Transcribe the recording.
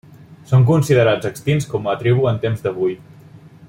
Són considerats extints com a tribu en temps d'avui.